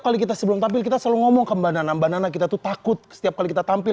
kali kita sebelum tapi kita selalu ngomong kembana nambah nana kita tuh takut setiap kali kita tampil